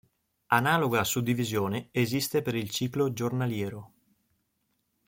Analoga suddivisione esiste per il ciclo giornaliero.